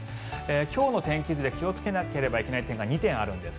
今日の天気図で気をつけなければいけない点が２点あるんですが